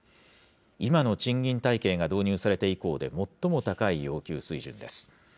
今の賃金体系が導入されて以降で、最も高い要求水準です。